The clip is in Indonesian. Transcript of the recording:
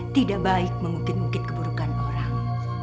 tidak baik memungkinkan keburukan orang